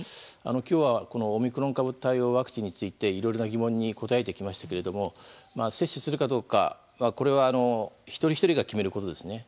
今日はオミクロン株対応ワクチンについて、いろいろな疑問に答えてきましたけれども接種するかどうかは一人一人が決めることですね。